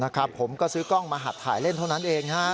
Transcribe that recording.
ผมก็ซื้อกล้องมาหัดถ่ายเล่นเท่านั้นเองฮะ